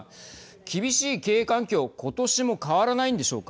厳しい経営環境今年も変わらないのでしょうか。